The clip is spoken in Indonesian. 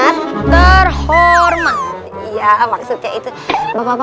remember day to day